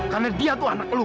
karena dia tuh anak lo